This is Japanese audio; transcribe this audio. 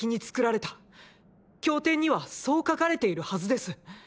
経典にはそう書かれているはずです。